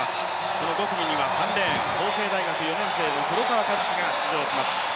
この５組には３レーン、法政大学４年生の黒川和樹が出場します。